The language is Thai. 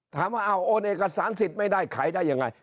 ถามว่าโอนเอกสารสิทธิ์ไม่ได้ขายได้ยังไง